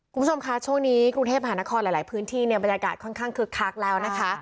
คุณผู้ชมคะช่วงนี้กรุงเทพหานครหลายพื้นที่เนี่ยบรรยากาศค่อนข้างคึกคักแล้วนะคะ